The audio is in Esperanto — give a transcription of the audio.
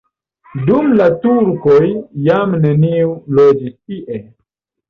Dum la turkoj jam neniu loĝis tie.